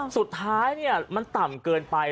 สุดท้ายมันต่ำเกินไป